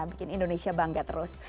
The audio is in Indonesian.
bikin indonesia bangga terus